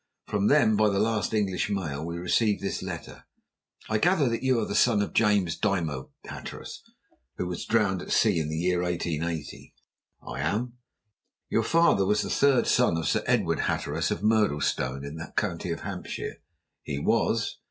From them, by the last English mail, we received this letter. I gather that you are the son of James Dymoke Hatteras, who was drowned at sea in the year 1880?" "I am." "Your father was the third son of Sir Edward Hatteras of Murdlestone, in the county of Hampshire?" "He was."